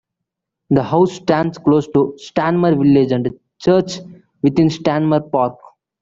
The house stands close to Stanmer village and Church, within Stanmer Park.